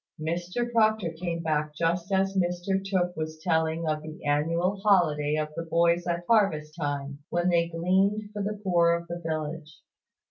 Mr Proctor came back just as Mr Tooke was telling of the annual holiday of the boys at harvest time, when they gleaned for the poor of the village.